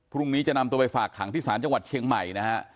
พรุ่งนี้จะนำตัวไปฝากขังที่ศาลจังหวัดเชียงใหม่นะฮะ